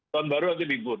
tahun baru lagi libur